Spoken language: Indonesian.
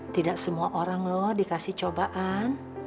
tidak semua orang loh dikasih cobaan